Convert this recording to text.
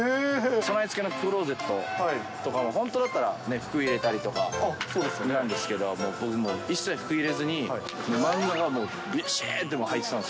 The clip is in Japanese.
備え付けのクローゼットとかも、本当だったらね、服入れたりとかなんですけど、僕もう、一切服入れずに、もう漫画がもう、へー。